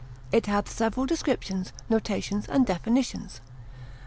It hath several descriptions, notations, and definitions.